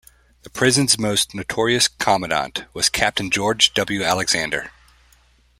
The prison's most notorious commandant was Captain George W. Alexander.